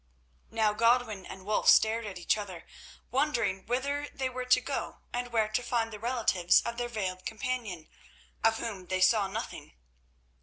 Now Godwin and Wulf stared at each other, wondering whither they were to go and where to find the relatives of their veiled companion, of whom they saw nothing.